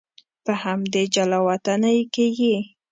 په همدې جلا وطنۍ کې یې.